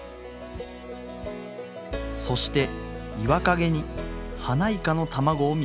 そして岩陰にハナイカの卵を見つけました。